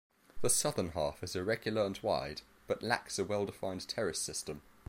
The southern half is irregular and wide, but lacks a well-defined terrace system.